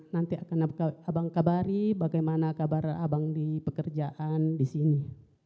nanti akan abang kabari bagaimana kabar abang di pekerjaan di sini